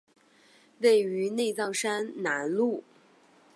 位于内藏山南麓。